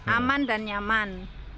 aman dan nyaman